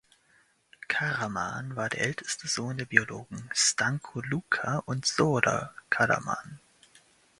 Karaman war der älteste Sohn der Biologen Stanko Luka und Zora Karaman.